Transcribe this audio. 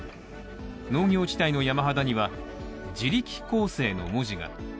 農業地帯の山肌には「自力更生」の文字が。